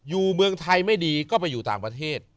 เมืองไทยไม่ดีก็ไปอยู่ต่างประเทศ